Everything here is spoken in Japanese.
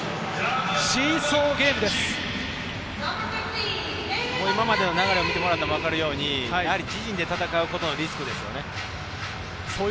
シーソー今までの流れを見てもらうと分かるように自陣で戦うことのリスクですよね。